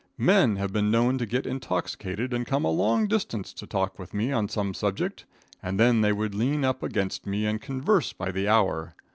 Men have been known to get intoxicated and come a long distance to talk with me on some subject, and then they would lean up against me and converse by the hour.